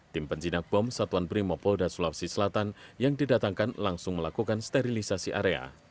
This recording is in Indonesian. tim penjinak bom satuan brimopolda sulawesi selatan yang didatangkan langsung melakukan sterilisasi area